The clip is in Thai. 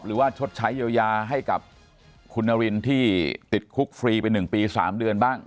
หรือว่าชดใช้ยาวให้กับคุณนารินที่ติดคุกฟรีไป๑ปี๓เดือนบ้าง